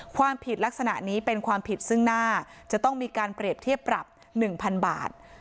ความผิดลักษณะนี้เป็นความผิดซึ่งหน้าจะต้องมีการเปรียบเทียบปรับ๑๐๐๐บาท